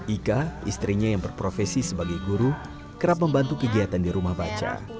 ika istrinya yang berprofesi sebagai guru kerap membantu kegiatan di rumah baca